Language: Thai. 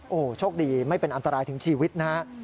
โอ้โหโชคดีไม่เป็นอันตรายถึงชีวิตนะฮะ